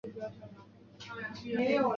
辖境相当今甘肃省渭源县一带。